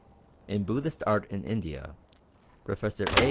In Buddhist Art in India, Professor A.